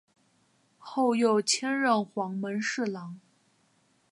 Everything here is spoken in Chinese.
后又迁任黄门侍郎。